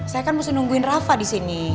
saya kan mesti nungguin rafa disini